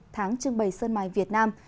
tháng trưng bày sơn mài việt nam